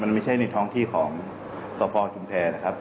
มันไม่ใช่ในท้องที่ของสพชุมแพรนะครับ